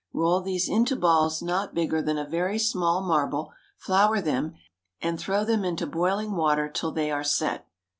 Roll these into balls not bigger than a very small marble, flour them, and throw them into boiling water till they are set.